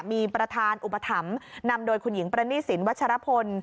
มีประธานอุปถัมภ์นำโดยคุณหญิงปรณีสินวัชรพล